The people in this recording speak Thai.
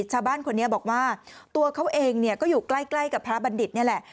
ชาวบ้านคนนี้บอกว่าตัวเขาเองก็อยู่ใกล้กับพระบัณฑิตนี่แหละ